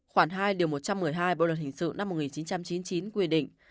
khoảng hai một trăm một mươi hai bộ luật hình sự năm một nghìn chín trăm chín mươi chín quy định